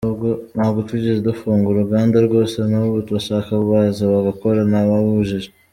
Ntabwo twigeze dufunga uruganda rwose, n’ubu bashaka baza bagakora ntawababujije.”